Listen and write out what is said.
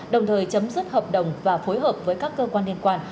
đồng thời chấm dứt hợp đồng và phối hợp với các cơ quan liên quan